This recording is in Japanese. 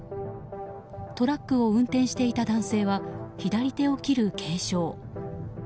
トラックを運転していた男性は左手を切る軽傷。